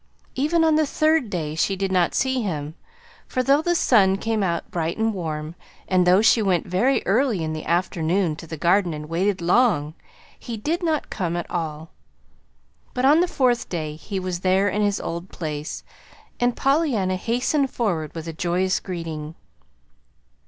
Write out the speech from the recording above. Even on the third day she did not see him, for, though the sun came out bright and warm, and though she went very early in the afternoon to the Garden and waited long, he did not come at all. But on the fourth day he was there in his old place, and Pollyanna hastened forward with a joyous greeting.